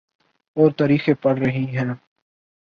اورتاریخیں پڑ رہی ہیں۔